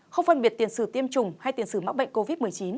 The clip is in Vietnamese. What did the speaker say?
không phân biệt tiền sử tiêm chủng hay tiền xử mắc bệnh covid một mươi chín